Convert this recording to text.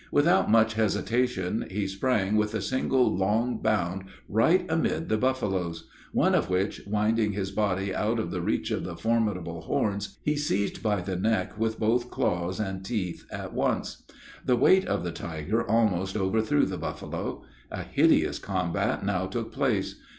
Without much hesitation, he sprang with a single long bound right amid the buffaloes; one of which, winding his body out of the reach of the formidable horns, he seized by the neck with both claws and teeth at once. The weight of the tiger almost overthrew the buffalo. A hideous combat now took place.